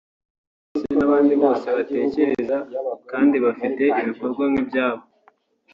ndetse n’abandi bose batekereza kandi bafite ibikorwa nk’ibyabo